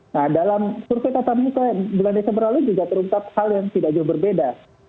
nah dalam survei tatap muka bulan desember lalu juga terungkap hal yang tidak jauh berbeda